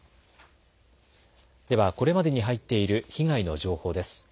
ではこれまでに入っている被害の情報です。